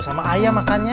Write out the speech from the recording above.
sama ayah makannya